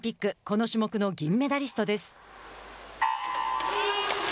この種目の銀メダリストです。